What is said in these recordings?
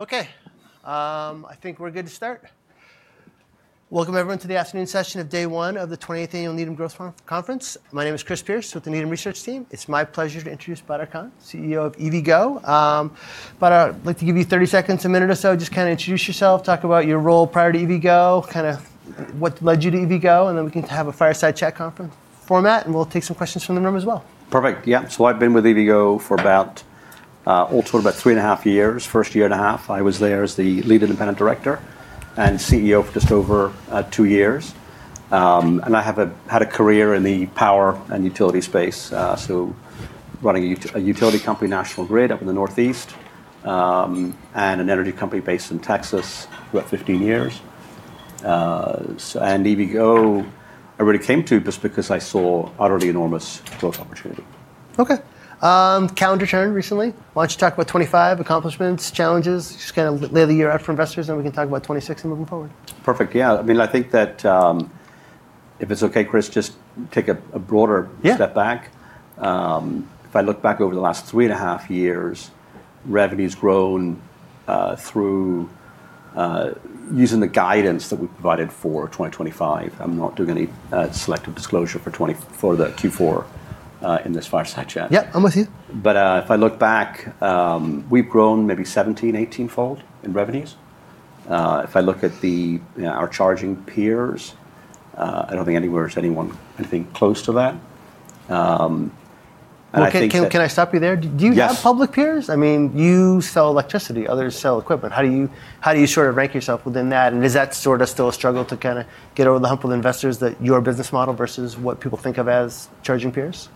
Okay. I think we're good to start. Welcome, everyone, to the afternoon session of day one of the 28th Annual Needham Growth Conference. My name is Chris Pierce with the Needham Research Team. It's my pleasure to introduce Badar Khan, CEO of EVgo. Badar, I'd like to give you 30 seconds, a minute or so, just kind of introduce yourself, talk about your role prior to EVgo, kind of what led you to EVgo, and then we can have a fireside chat conference format, and we'll take some questions from the room as well. Perfect. Yeah. So I've been with EVgo for about, all told, about three and a half years. First year and a half, I was there as the lead independent director and CEO for just over two years. And I have had a career in the power and utility space, so running a utility company, National Grid, up in the Northeast, and an energy company based in Texas for about 15 years. And EVgo I really came to just because I saw utterly enormous growth opportunity. Okay. Calendar turn recently. Why don't you talk about 2025 accomplishments, challenges, just kind of lay the year out for investors, and then we can talk about 2026 and moving forward. Perfect. Yeah. I mean, I think that, if it's okay, Chris, just take a broader step back. If I look back over the last three and a half years, revenue's grown through using the guidance that we provided for 2025. I'm not doing any selective disclosure for the Q4 in this fireside chat. Yeah, I'm with you. But if I look back, we've grown maybe 17-18-fold in revenues. If I look at our charging peers, I don't think anywhere is anyone anything close to that. Okay. Can I stop you there? Do you have public peers? I mean, you sell electricity. Others sell equipment. How do you sort of rank yourself within that? And is that sort of still a struggle to kind of get over the hump with investors that your business model versus what people think of as charging peers?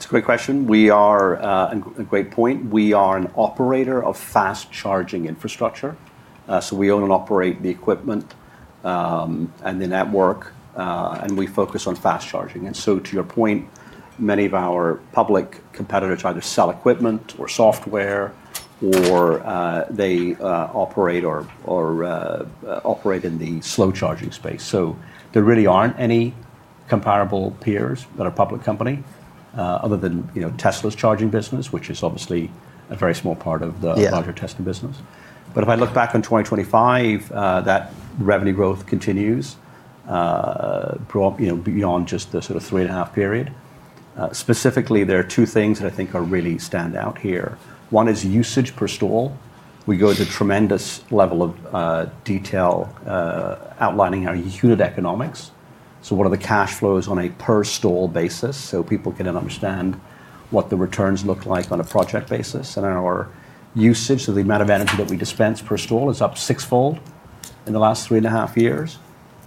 That's a great question. We're at a great point. We are an operator of fast charging infrastructure. So we own and operate the equipment and the network, and we focus on fast charging. And so, to your point, many of our public competitors either sell equipment or software, or they operate in the slow charging space. So there really aren't any comparable peers that are public companies other than Tesla's charging business, which is obviously a very small part of the larger Tesla business. But if I look ahead to 2025, that revenue growth continues beyond just the sort of three-and-a-half period. Specifically, there are two things that I think really stand out here. One is usage per stall. We go to a tremendous level of detail outlining our unit economics. So what are the cash flows on a per stall basis? So people can understand what the returns look like on a project basis. And our usage, so the amount of energy that we dispense per stall is up sixfold in the last three and a half years.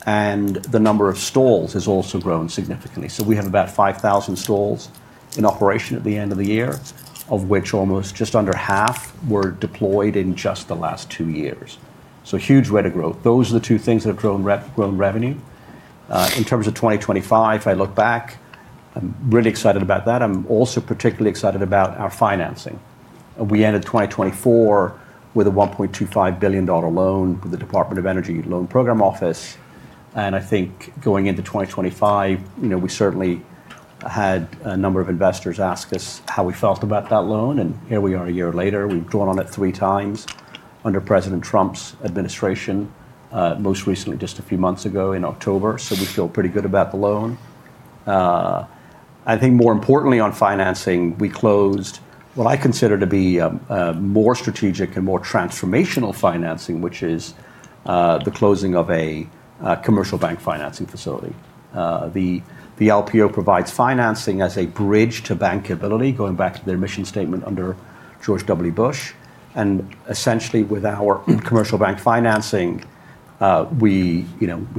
And the number of stalls has also grown significantly. So we have about 5,000 stalls in operation at the end of the year, of which almost just under half were deployed in just the last two years. So huge rate of growth. Those are the two things that have grown revenue. In terms of 2025, if I look back, I'm really excited about that. I'm also particularly excited about our financing. We ended 2024 with a $1.25 billion loan with the Department of Energy Loan Programs Office. And I think going into 2025, we certainly had a number of investors ask us how we felt about that loan. Here we are a year later. We've drawn on it three times under President Trump's administration, most recently just a few months ago in October. So we feel pretty good about the loan. I think more importantly, on financing, we closed what I consider to be a more strategic and more transformational financing, which is the closing of a commercial bank financing facility. The LPO provides financing as a bridge to bankability, going back to their mission statement under George W. Bush. And essentially, with our commercial bank financing, we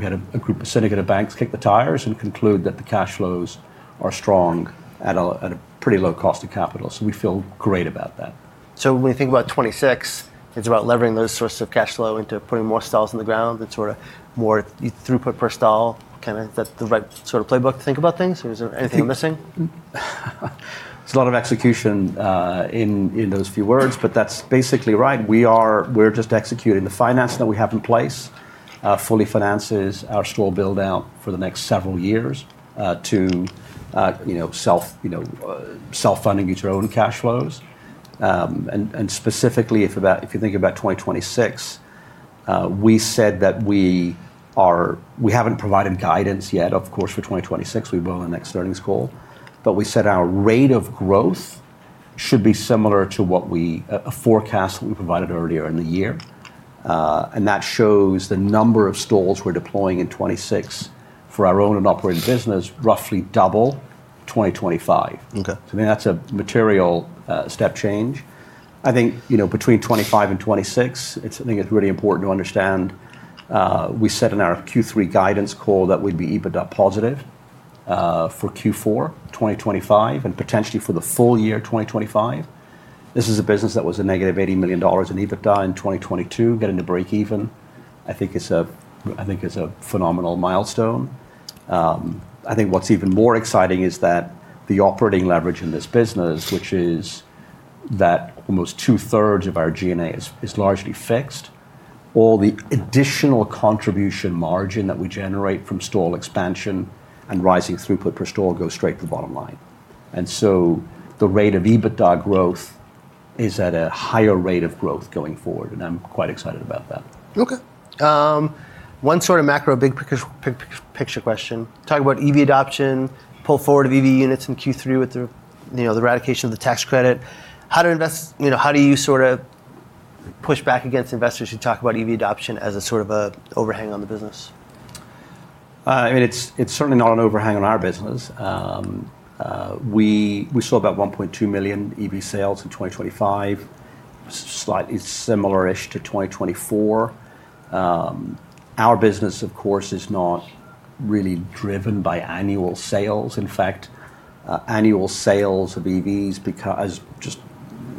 had a group of syndicated banks kick the tires and conclude that the cash flows are strong at a pretty low cost of capital. So we feel great about that. So when we think about 2026, it's about leveraging those sources of cash flow into putting more stalls on the ground and sort of more throughput per stall, kind of the right sort of playbook to think about things? Is there anything missing? There's a lot of execution in those few words, but that's basically right. We're just executing. The financing that we have in place fully finances our stall buildout for the next several years to self-funding our own cash flows. Specifically, if you think about 2026, we said that we haven't provided guidance yet, of course, for 2026. We will in the next earnings call, but we said our rate of growth should be similar to a forecast we provided earlier in the year. That shows the number of stalls we're deploying in 2026 for our owned and operated business roughly double 2025. I think that's a material step change. I think between 2025 and 2026, I think it's really important to understand we said in our Q3 guidance call that we'd be EBITDA positive for Q4 2025 and potentially for the full year 2025. This is a business that was a negative $80 million in EBITDA in 2022, getting to break even. I think it's a phenomenal milestone. I think what's even more exciting is that the operating leverage in this business, which is that almost two-thirds of our G&A is largely fixed, all the additional contribution margin that we generate from stall expansion and rising throughput per stall goes straight to the bottom line, and so the rate of EBITDA growth is at a higher rate of growth going forward, and I'm quite excited about that. Okay. One sort of macro, big picture question. Talk about EV adoption, pull forward of EV units in Q3 with the eradication of the tax credit. How do you sort of push back against investors who talk about EV adoption as a sort of an overhang on the business? I mean, it's certainly not an overhang on our business. We saw about 1.2 million EV sales in 2025, slightly similar-ish to 2024. Our business, of course, is not really driven by annual sales. In fact, annual sales of EVs, as just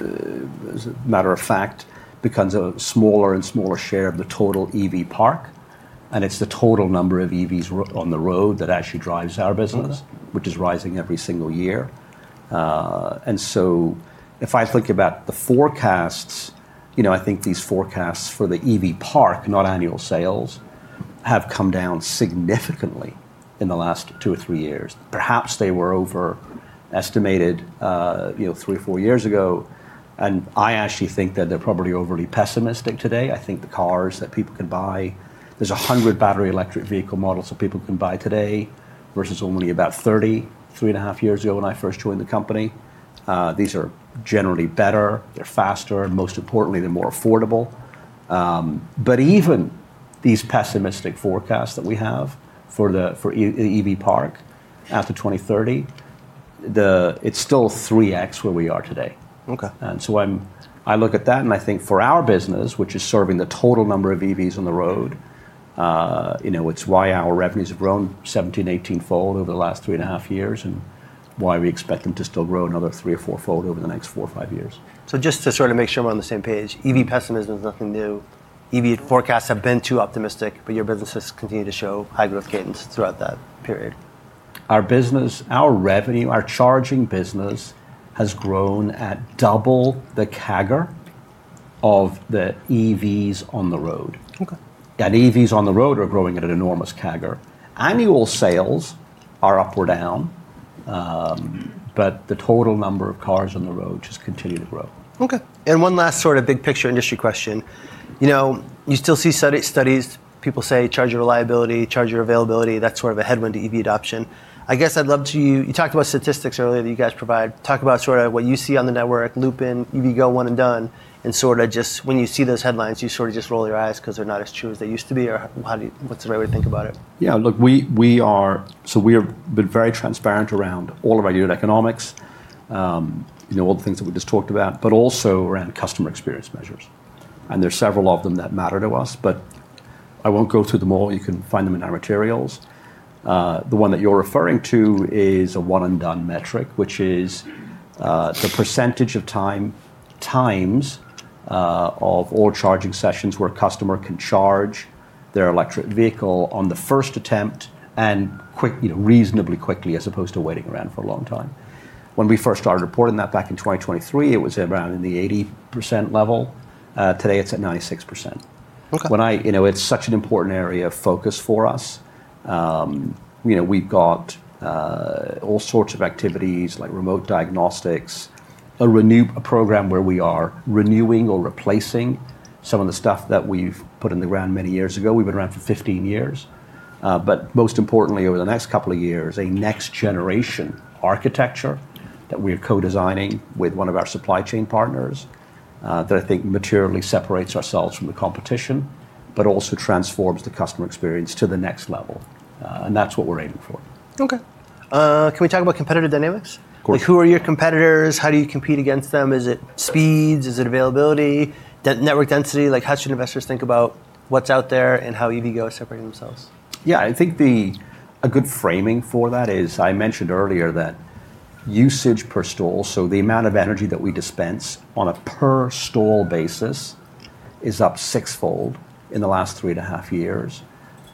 a matter of fact, becomes a smaller and smaller share of the total EV park, and it's the total number of EVs on the road that actually drives our business, which is rising every single year, and so if I think about the forecasts, I think these forecasts for the EV park, not annual sales, have come down significantly in the last two or three years. Perhaps they were overestimated three or four years ago, and I actually think that they're probably overly pessimistic today. I think the cars that people can buy. There's 100 battery electric vehicle models that people can buy today versus only about 30 three and a half years ago when I first joined the company. These are generally better. They're faster. Most importantly, they're more affordable. But even these pessimistic forecasts that we have for the EV park after 2030, it's still 3x where we are today. And so I look at that, and I think for our business, which is serving the total number of EVs on the road, it's why our revenues have grown 17, 18-fold over the last three and a half years and why we expect them to still grow another three or four-fold over the next four or five years. So just to sort of make sure we're on the same page, EV pessimism is nothing new. EV forecasts have been too optimistic, but your business has continued to show high growth cadence throughout that period. Our business, our revenue, our charging business has grown at double the CAGR of the EVs on the road. And EVs on the road are growing at an enormous CAGR. Annual sales are up or down, but the total number of cars on the road just continue to grow. Okay, and one last sort of big picture industry question. You still see studies, people say charger reliability, charger availability. That's sort of a headwind to EV adoption. I guess I'd love you to talk about statistics earlier that you guys provide. Talk about sort of what you see on the network, loop in EVgo One & Done. And sort of just when you see those headlines, you sort of just roll your eyes because they're not as true as they used to be, or what's the right way to think about it? Yeah. Look, so we have been very transparent around all of our unit economics, all the things that we just talked about, but also around customer experience measures, and there's several of them that matter to us, but I won't go through them all. You can find them in our materials. The one that you're referring to is a One & Done metric, which is the percentage of times of all charging sessions where a customer can charge their electric vehicle on the first attempt and reasonably quickly as opposed to waiting around for a long time. When we first started reporting that back in 2023, it was around in the 80% level. Today, it's at 96%. It's such an important area of focus for us. We've got all sorts of activities like remote diagnostics, a program where we are renewing or replacing some of the stuff that we've put in the ground many years ago. We've been around for 15 years. But most importantly, over the next couple of years, a next generation architecture that we are co-designing with one of our supply chain partners that I think materially separates ourselves from the competition, but also transforms the customer experience to the next level. And that's what we're aiming for. Okay. Can we talk about competitive dynamics? Of course. Who are your competitors? How do you compete against them? Is it speeds? Is it availability? Network density? How should investors think about what's out there and how EVgo is separating themselves? Yeah. I think a good framing for that is I mentioned earlier that usage per stall, so the amount of energy that we dispense on a per stall basis is up sixfold in the last three and a half years.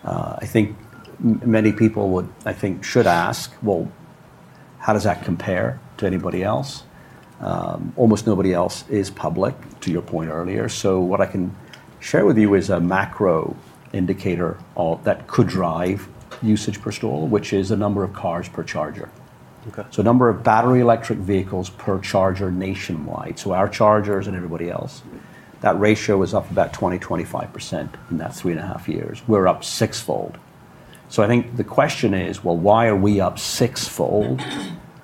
I think many people would, I think, should ask, well, how does that compare to anybody else? Almost nobody else is public, to your point earlier. So what I can share with you is a macro indicator that could drive usage per stall, which is the number of cars per charger. So the number of battery electric vehicles per charger nationwide, so our chargers and everybody else, that ratio is up about 20%-25% in that three and a half years. We're up sixfold. So I think the question is, well, why are we up sixfold?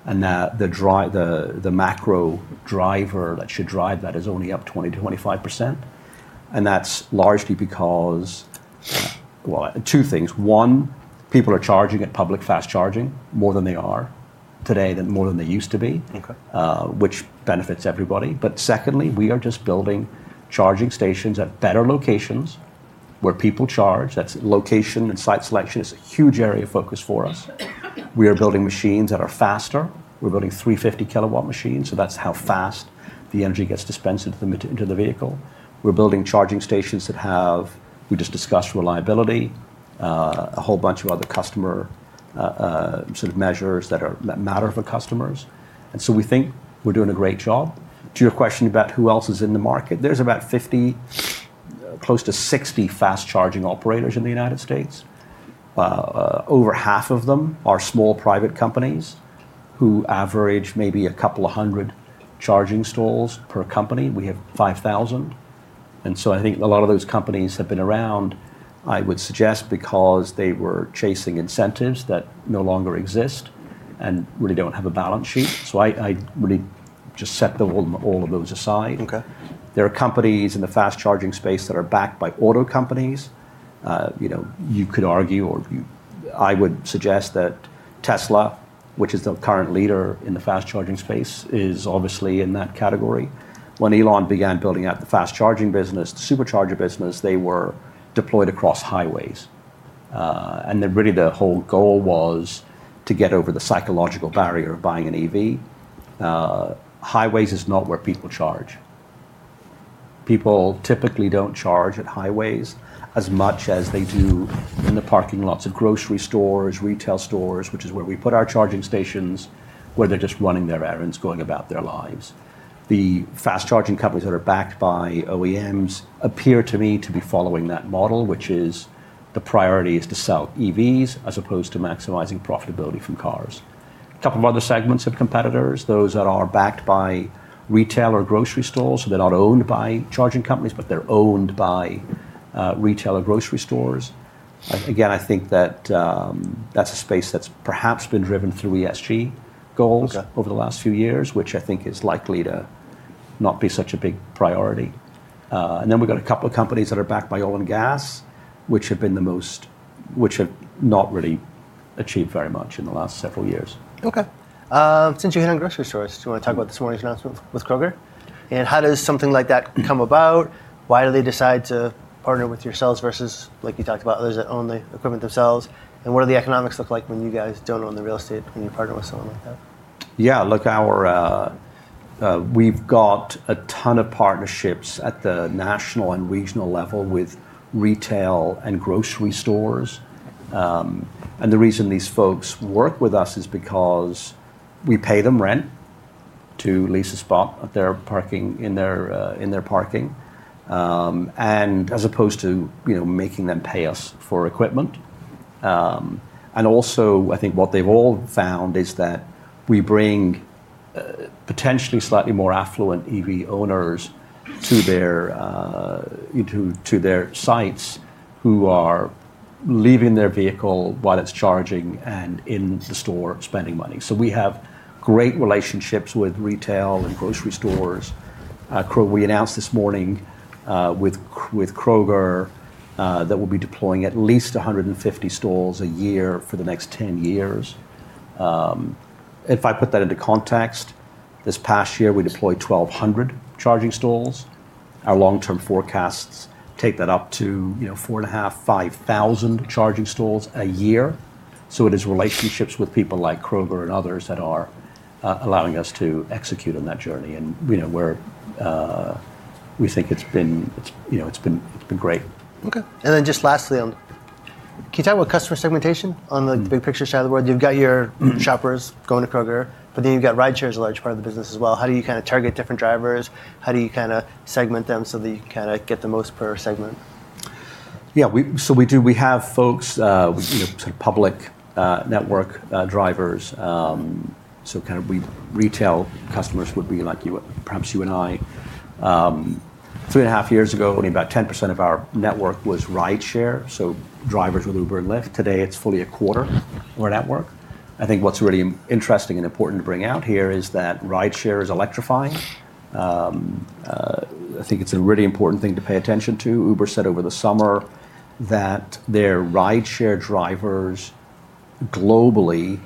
And the macro driver that should drive that is only up 20%-25%. That's largely because, well, two things. One, people are charging at public fast charging more than they used to be, which benefits everybody. But secondly, we are just building charging stations at better locations where people charge. That's location and site selection is a huge area of focus for us. We are building machines that are faster. We're building 350 kilowatt machines, so that's how fast the energy gets dispensed into the vehicle. We're building charging stations that have, we just discussed reliability, a whole bunch of other customer sort of measures that matter for customers. And so we think we're doing a great job. To your question about who else is in the market, there's about 50, close to 60 fast charging operators in the United States. Over half of them are small private companies who average maybe a couple of hundred charging stalls per company. We have 5,000, and so I think a lot of those companies have been around, I would suggest, because they were chasing incentives that no longer exist and really don't have a balance sheet, so I really just set all of those aside. There are companies in the fast charging space that are backed by auto companies. You could argue, or I would suggest that Tesla, which is the current leader in the fast charging space, is obviously in that category. When Elon began building out the fast charging business, the Supercharger business, they were deployed across highways, and really the whole goal was to get over the psychological barrier of buying an EV. Highways is not where people charge. People typically don't charge at highways as much as they do in the parking lots of grocery stores, retail stores, which is where we put our charging stations, where they're just running their errands, going about their lives. The fast charging companies that are backed by OEMs appear to me to be following that model, which is the priority is to sell EVs as opposed to maximizing profitability from cars. A couple of other segments of competitors, those that are backed by retail or grocery stores, so they're not owned by charging companies, but they're owned by retail or grocery stores. Again, I think that that's a space that's perhaps been driven through ESG goals over the last few years, which I think is likely to not be such a big priority. Then we've got a couple of companies that are backed by oil and gas, which have not really achieved very much in the last several years. Okay. Since you hit on grocery stores, do you want to talk about this morning's announcement with Kroger? And how does something like that come about? Why do they decide to partner with yourselves versus, like you talked about, others that own the equipment themselves? And what do the economics look like when you guys don't own the real estate when you partner with someone like that? Yeah. Look, we've got a ton of partnerships at the national and regional level with retail and grocery stores. And the reason these folks work with us is because we pay them rent to lease a spot in their parking and as opposed to making them pay us for equipment. And also, I think what they've all found is that we bring potentially slightly more affluent EV owners to their sites who are leaving their vehicle while it's charging and in the store spending money. So we have great relationships with retail and grocery stores. We announced this morning with Kroger that we'll be deploying at least 150 stalls a year for the next 10 years. If I put that into context, this past year, we deployed 1,200 charging stalls. Our long-term forecasts take that up to 4,500, 5,000 charging stalls a year. It is relationships with people like Kroger and others that are allowing us to execute on that journey. We think it's been great. Okay. And then just lastly, can you talk about customer segmentation on the big picture side of the world? You've got your shoppers going to Kroger, but then you've got rideshare as a large part of the business as well. How do you kind of target different drivers? How do you kind of segment them so that you can kind of get the most per segment? Yeah. So we have folks, sort of public network drivers. So kind of retail customers would be like you, perhaps you and I. Three and a half years ago, only about 10% of our network was rideshare, so drivers with Uber and Lyft. Today, it's fully a quarter of our network. I think what's really interesting and important to bring out here is that rideshare is electrifying. I think it's a really important thing to pay attention to. Uber said over the summer that their rideshare drivers globally,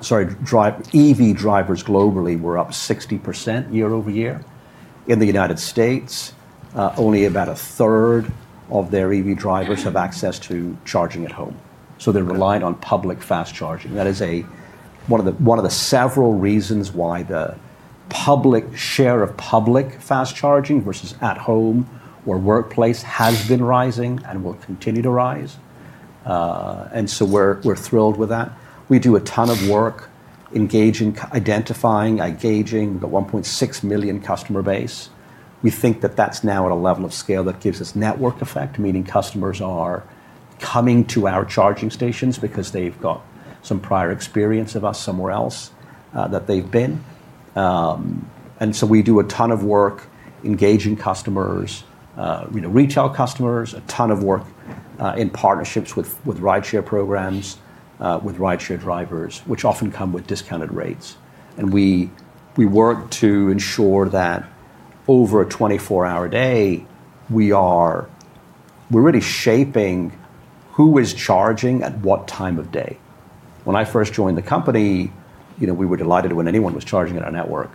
sorry, EV drivers globally were up 60% year over year. In the United States, only about a third of their EV drivers have access to charging at home. So they're reliant on public fast charging. That is one of the several reasons why the public share of public fast charging versus at home or workplace has been rising and will continue to rise, and so we're thrilled with that. We do a ton of work engaging, identifying. We've got 1.6 million customer base. We think that that's now at a level of scale that gives us network effect, meaning customers are coming to our charging stations because they've got some prior experience of us somewhere else that they've been, and so we do a ton of work engaging customers, retail customers, a ton of work in partnerships with rideshare programs, with rideshare drivers, which often come with discounted rates, and we work to ensure that over a 24-hour day, we are really shaping who is charging at what time of day. When I first joined the company, we were delighted when anyone was charging at our network.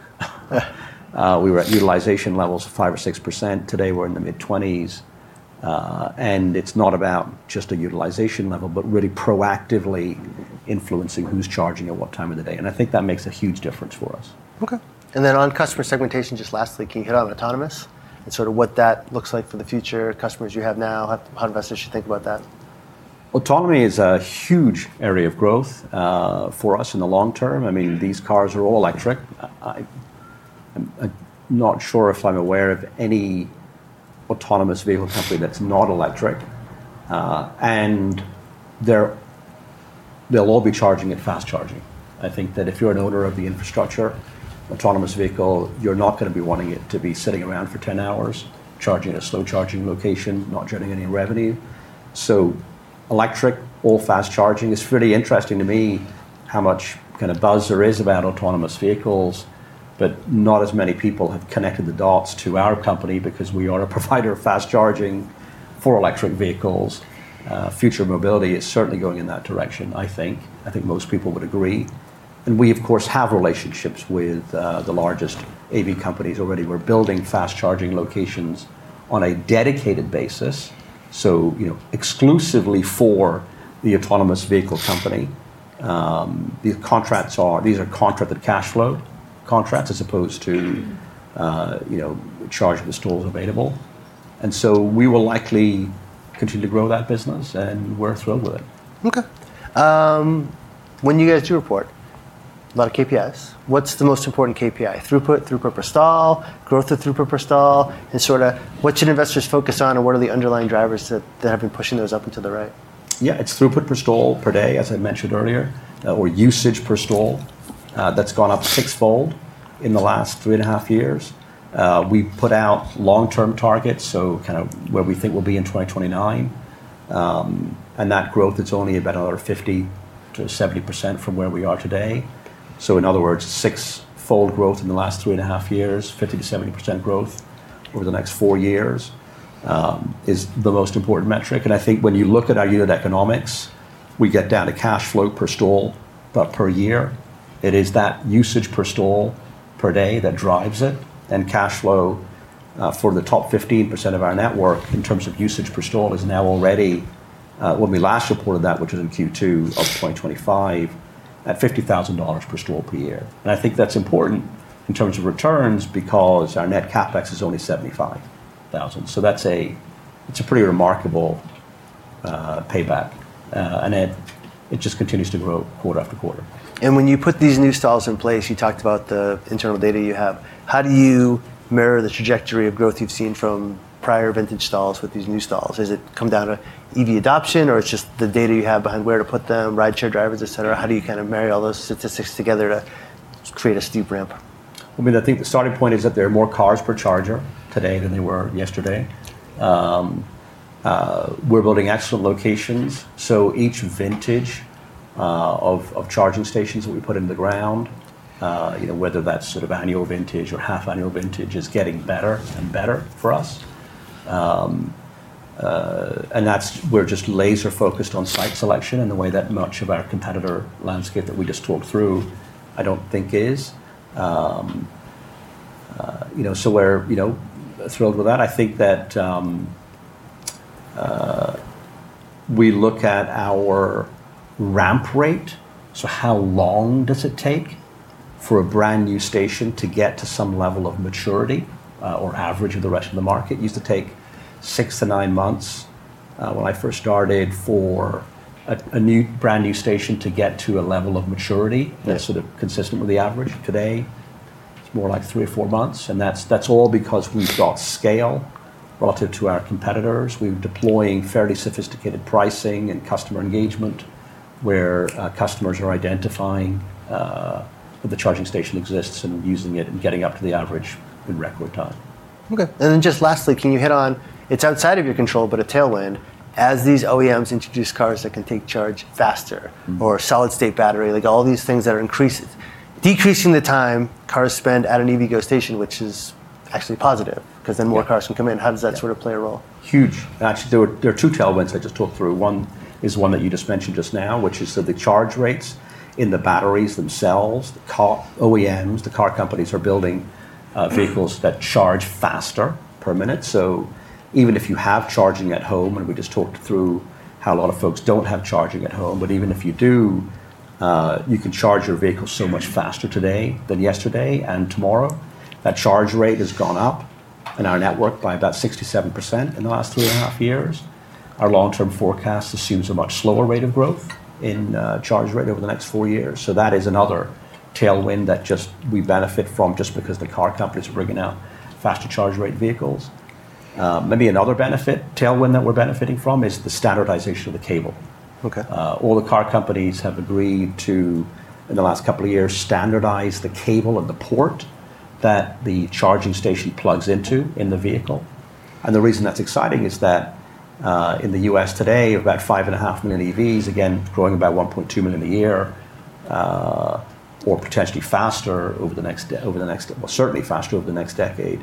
We were at utilization levels of five or six%. Today, we're in the mid-20s, and it's not about just a utilization level, but really proactively influencing who's charging at what time of the day, and I think that makes a huge difference for us. Okay. And then on customer segmentation, just lastly, can you hit on autonomous and sort of what that looks like for the future? Customers you have now, how investors should think about that? Autonomy is a huge area of growth for us in the long term. I mean, these cars are all electric. I'm not sure if I'm aware of any autonomous vehicle company that's not electric, and they'll all be charging at fast charging. I think that if you're an owner of the infrastructure, autonomous vehicle, you're not going to be wanting it to be sitting around for 10 hours charging at a slow charging location, not generating any revenue, so electric, all fast charging is really interesting to me how much kind of buzz there is about autonomous vehicles, but not as many people have connected the dots to our company because we are a provider of fast charging for electric vehicles. Future mobility is certainly going in that direction, I think. I think most people would agree, and we, of course, have relationships with the largest AV companies already. We're building fast charging locations on a dedicated basis, so exclusively for the autonomous vehicle company. These are contracted cash flow contracts as opposed to charging the stalls available. And so we will likely continue to grow that business, and we're thrilled with it. Okay. When you guys do report a lot of KPIs, what's the most important KPI? Throughput, throughput per stall, growth of throughput per stall, and sort of what should investors focus on, and what are the underlying drivers that have been pushing those up and to the right? Yeah. It's throughput per stall per day, as I mentioned earlier, or usage per stall. That's gone up sixfold in the last three and a half years. We put out long-term targets, so kind of where we think we'll be in 2029. And that growth, it's only about another 50%-70% from where we are today. So in other words, sixfold growth in the last three and a half years, 50%-70% growth over the next four years is the most important metric. And I think when you look at our unit economics, we get down to cash flow per stall per year. It is that usage per stall per day that drives it. Cash flow for the top 15% of our network in terms of usage per stall is now already, when we last reported that, which was in Q2 of 2025, at $50,000 per stall per year. I think that's important in terms of returns because our Net CapEx is only $75,000. It's a pretty remarkable payback. It just continues to grow quarter after quarter. And when you put these new stalls in place, you talked about the internal data you have. How do you mirror the trajectory of growth you've seen from prior vintage stalls with these new stalls? Has it come down to EV adoption, or it's just the data you have behind where to put them, rideshare drivers, etc.? How do you kind of marry all those statistics together to create a steep ramp? I mean, I think the starting point is that there are more cars per charger today than there were yesterday. We're building excellent locations. So each vintage of charging stations that we put in the ground, whether that's sort of annual vintage or half-annual vintage, is getting better and better for us. And we're just laser-focused on site selection in the way that much of our competitor landscape that we just talked through, I don't think is. So we're thrilled with that. I think that we look at our ramp rate. So how long does it take for a brand new station to get to some level of maturity or average of the rest of the market? It used to take six to nine months when I first started for a brand new station to get to a level of maturity that's sort of consistent with the average. Today, it's more like three or four months, and that's all because we've got scale relative to our competitors. We're deploying fairly sophisticated pricing and customer engagement where customers are identifying that the charging station exists and using it and getting up to the average in record time. Okay. And then just lastly, can you hit on, it's outside of your control, but a tailwind, as these OEMs introduce cars that can take charge faster or solid-state battery, like all these things that are decreasing the time cars spend at an EVgo station, which is actually positive because then more cars can come in. How does that sort of play a role? Huge. Actually, there are two tailwinds I just talked through. One is one that you just mentioned just now, which is the charge rates in the batteries themselves. OEMs, the car companies, are building vehicles that charge faster per minute, so even if you have charging at home, and we just talked through how a lot of folks don't have charging at home, but even if you do, you can charge your vehicle so much faster today than yesterday and tomorrow. That charge rate has gone up in our network by about 67% in the last three and a half years. Our long-term forecast assumes a much slower rate of growth in charge rate over the next four years, so that is another tailwind that we benefit from just because the car companies are bringing out faster charge rate vehicles. Maybe another benefit tailwind that we're benefiting from is the standardization of the cable. All the car companies have agreed to, in the last couple of years, standardize the cable and the port that the charging station plugs into in the vehicle. And the reason that's exciting is that in the U.S. today, about 5.5 million EVs, again, growing about 1.2 million a year or potentially faster over the next, well, certainly faster over the next decade.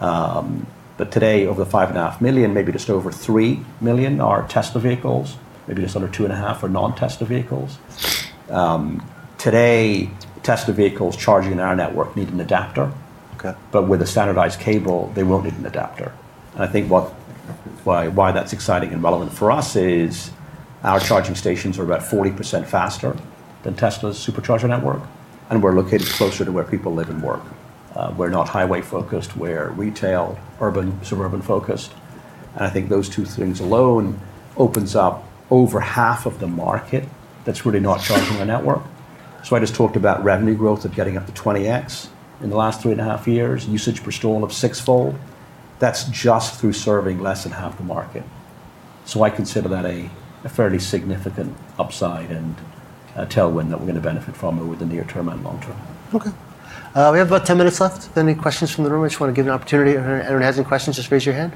But today, over the 5.5 million, maybe just over three million are Tesla vehicles, maybe just under 2.5 for non-Tesla vehicles. Today, Tesla vehicles charging in our network need an adapter, but with a standardized cable, they won't need an adapter. And I think why that's exciting and relevant for us is our charging stations are about 40% faster than Tesla's Supercharger network, and we're located closer to where people live and work. We're not highway-focused. We're retail, urban, suburban-focused. And I think those two things alone opens up over half of the market that's really not charging our network. So I just talked about revenue growth of getting up to 20x in the last three and a half years, usage per stall of sixfold. That's just through serving less than half the market. So I consider that a fairly significant upside and tailwind that we're going to benefit from over the near term and long term. Okay. We have about 10 minutes left. If there are any questions from the room, I just want to give you an opportunity. If anyone has any questions, just raise your hand.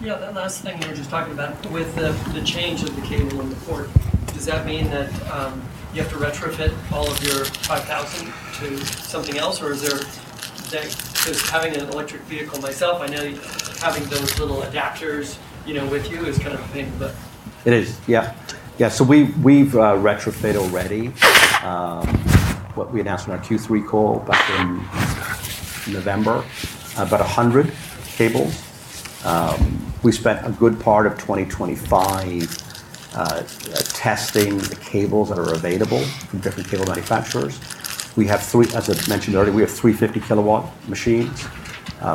Yeah. The last thing you were just talking about with the change of the cable and the port, does that mean that you have to retrofit all of your 5,000 to something else, or is there? Having an electric vehicle myself, I know having those little adapters with you is kind of a thing, but. It is. Yeah. Yeah. So we've retrofitted already. What we announced in our Q3 call back in November, about 100 cables. We spent a good part of 2025 testing the cables that are available from different cable manufacturers. We have, as I mentioned earlier, we have 350 kilowatt machines,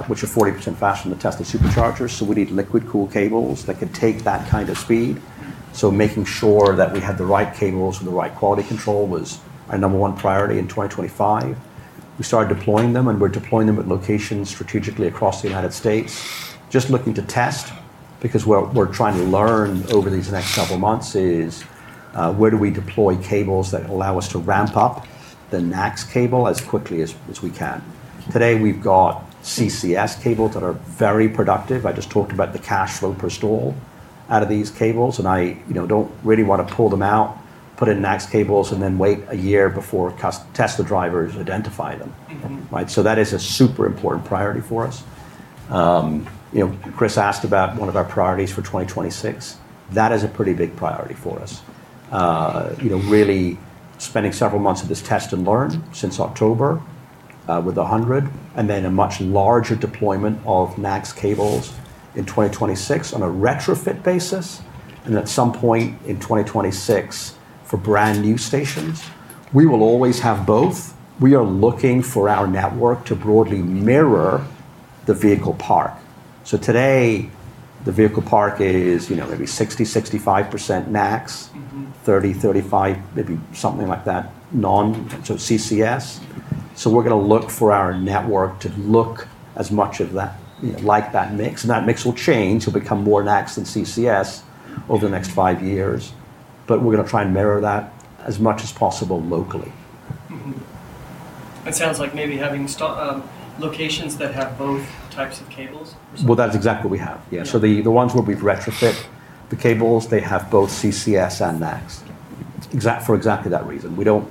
which are 40% faster than the Tesla Superchargers. So we need liquid-cooled cables that can take that kind of speed. So making sure that we had the right cables with the right quality control was our number one priority in 2025. We started deploying them, and we're deploying them at locations strategically across the United States. Just looking to test because what we're trying to learn over these next couple of months is where do we deploy cables that allow us to ramp up the NACS cable as quickly as we can. Today, we've got CCS cables that are very productive. I just talked about the cash flow per stall out of these cables, and I don't really want to pull them out, put in NACS cables, and then wait a year before Tesla drivers identify them. Right? So that is a super important priority for us. Chris asked about one of our priorities for 2026. That is a pretty big priority for us. Really spending several months of this test and learn since October with 100, and then a much larger deployment of NACS cables in 2026 on a retrofit basis. And at some point in 2026 for brand new stations, we will always have both. We are looking for our network to broadly mirror the vehicle park. So today, the vehicle park is maybe 60-65% NACS, 30-35%, maybe something like that, so CCS. We're going to look for our network to look as much like that mix. That mix will change. It'll become more NACS than CCS over the next five years. We're going to try and mirror that as much as possible locally. It sounds like maybe having locations that have both types of cables. That's exactly what we have. Yeah. The ones where we've retrofitted the cables, they have both CCS and NACS for exactly that reason. We don't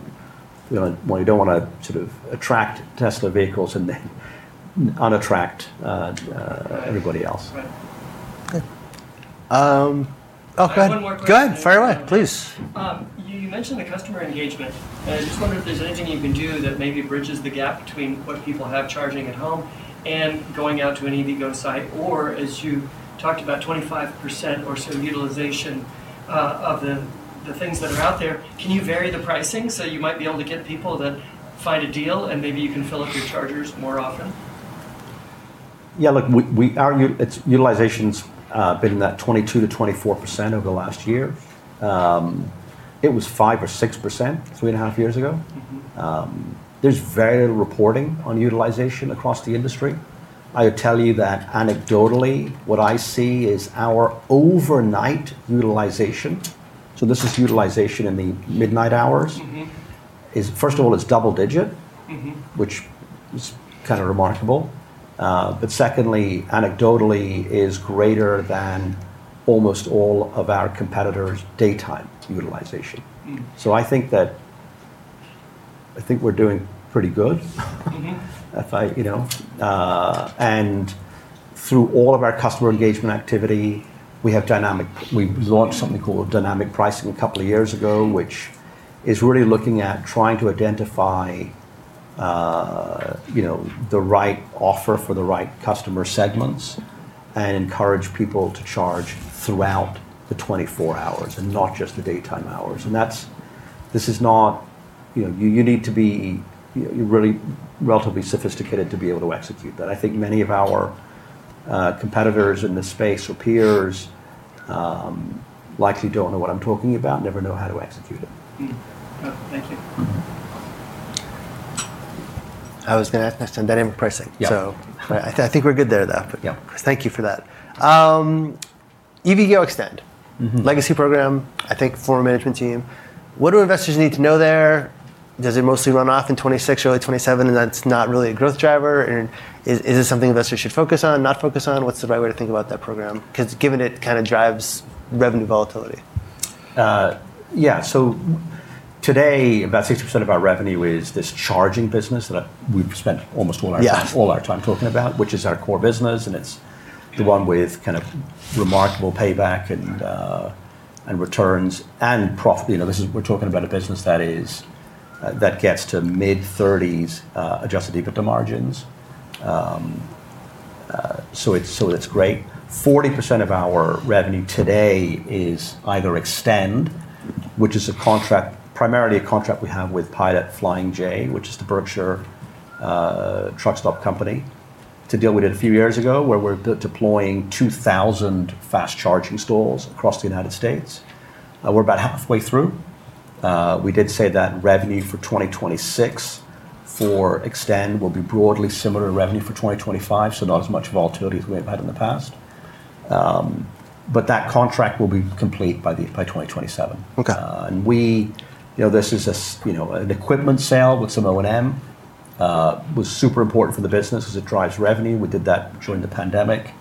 want to sort of attract Tesla vehicles and then unattract everybody else. Okay. One more question. Go ahead. Fire away, please. You mentioned the customer engagement. I just wondered if there's anything you can do that maybe bridges the gap between what people have charging at home and going out to an EVgo site, or as you talked about, 25% or so utilization of the things that are out there, can you vary the pricing so you might be able to get people that find a deal and maybe you can fill up your chargers more often? Yeah. Look, utilization's been that 22%-24% over the last year. It was 5% or 6% three and a half years ago. There's very little reporting on utilization across the industry. I would tell you that anecdotally, what I see is our overnight utilization, so this is utilization in the midnight hours. First of all, it's double-digit, which is kind of remarkable. But secondly, anecdotally, it is greater than almost all of our competitors' daytime utilization. So I think we're doing pretty good. And through all of our customer engagement activity, we launched something called dynamic pricing a couple of years ago, which is really looking at trying to identify the right offer for the right customer segments and encourage people to charge throughout the 24 hours and not just the daytime hours. This is not. You need to be really relatively sophisticated to be able to execute that. I think many of our competitors in this space or peers likely don't know what I'm talking about, never know how to execute it. Thank you. I was going to ask next on dynamic pricing. So I think we're good there though. But thank you for that. EVgo eXtend, legacy program, I think, former management team. What do investors need to know there? Does it mostly run off in 2026, early 2027, and that's not really a growth driver? And is it something investors should focus on, not focus on? What's the right way to think about that program? Because given it kind of drives revenue volatility. Yeah. So today, about 60% of our revenue is this charging business that we've spent almost all our time talking about, which is our core business. And it's the one with kind of remarkable payback and returns. And we're talking about a business that gets to mid-30s% adjusted EBITDA margins. So it's great. 40% of our revenue today is either eXtend, which is primarily a contract we have with Pilot Flying J, which is the Berkshire Truck Stop company, to deal with it a few years ago where we're deploying 2,000 fast charging stalls across the United States. We're about halfway through. We did say that revenue for 2026 for eXtend will be broadly similar to revenue for 2025, so not as much volatility as we have had in the past. But that contract will be complete by 2027. And this is an equipment sale with some O&M. It was super important for the business because it drives revenue. We did that during the pandemic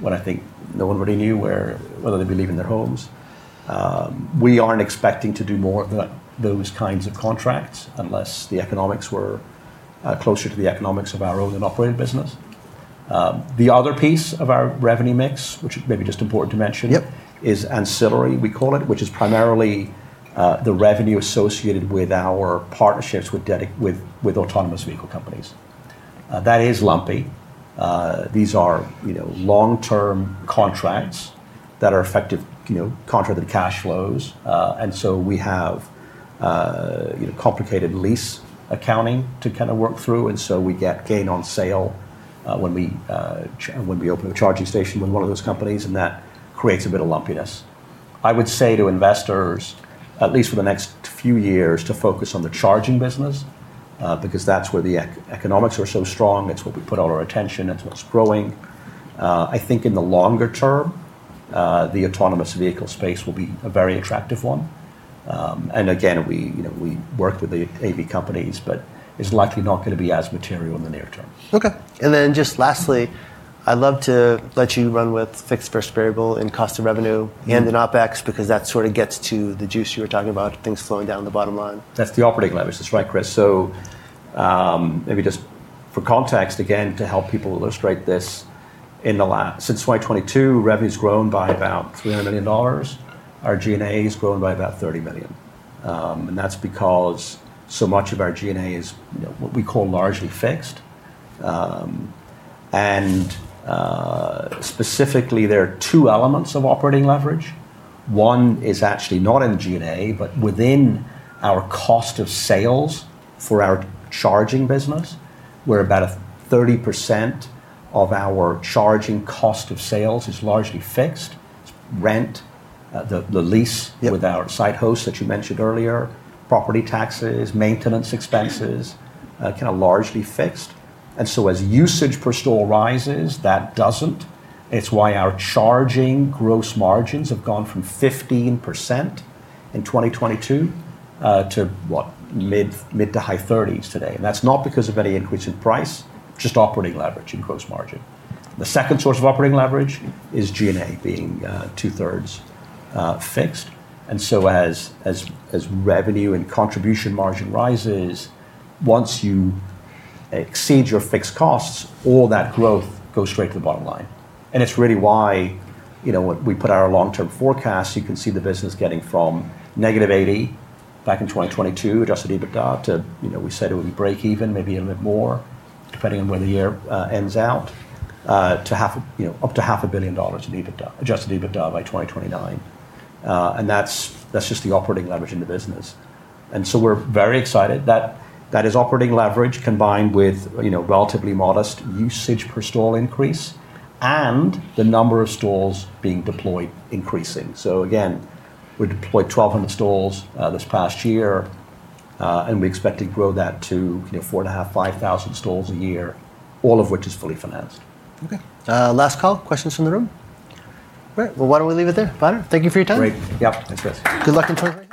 when I think no one really knew whether they'd be leaving their homes. We aren't expecting to do more of those kinds of contracts unless the economics were closer to the economics of our own operating business. The other piece of our revenue mix, which may be just important to mention, is ancillary, we call it, which is primarily the revenue associated with our partnerships with autonomous vehicle companies. That is lumpy. These are long-term contracts that are effective contracted cash flows. And so we have complicated lease accounting to kind of work through. And so we get gain on sale when we open a charging station with one of those companies, and that creates a bit of lumpiness. I would say to investors, at least for the next few years, to focus on the charging business because that's where the economics are so strong. It's what we put all our attention. It's what's growing. I think in the longer term, the autonomous vehicle space will be a very attractive one, and again, we work with the AV companies, but it's likely not going to be as material in the near term. Okay. And then just lastly, I'd love to let you run with fixed first variable in cost of revenue and in OpEx because that sort of gets to the juice you were talking about, things flowing down the bottom line. That's the operating leverage. That's right, Chris. So maybe just for context, again, to help people illustrate this, since 2022, revenue has grown by about $300 million. Our G&A has grown by about $30 million. And that's because so much of our G&A is what we call largely fixed. And specifically, there are two elements of operating leverage. One is actually not in the G&A, but within our cost of sales for our charging business, where about 30% of our charging cost of sales is largely fixed. It's rent, the lease with our site hosts that you mentioned earlier, property taxes, maintenance expenses, kind of largely fixed. And so as usage per stall rises, that doesn't. It's why our charging gross margins have gone from 15% in 2022 to, what, mid- to high-30s% today. And that's not because of any increase in price, just operating leverage and gross margin. The second source of operating leverage is G&A being two-thirds fixed. As revenue and contribution margin rises, once you exceed your fixed costs, all that growth goes straight to the bottom line. It's really why we put our long-term forecast. You can see the business getting from negative 80 back in 2022 adjusted EBITDA to, we said, it would be break-even, maybe a little bit more, depending on where the year ends out, to up to $500 million in adjusted EBITDA by 2029. That's just the operating leverage in the business. We're very excited that that is operating leverage combined with relatively modest usage per stall increase and the number of stalls being deployed increasing. Again, we deployed 1,200 stalls this past year, and we expect to grow that to 4,500, 5,000 stalls a year, all of which is fully financed. Okay. Last call. Questions from the room? Great. Well, why don't we leave it there? Badar, thank you for your time. Great. Yep. Thanks, Chris. Good luck in.